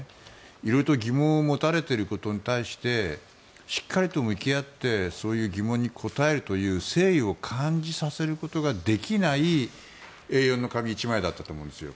色々と疑問を持たれてることに対してしっかりと向き合ってそういう疑問に答えるという誠意を感じさせることができないＡ４の紙１枚だったと思うんですよ。